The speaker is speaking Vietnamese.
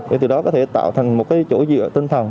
để từ đó có thể tạo thành một cái chỗ dựa tinh thần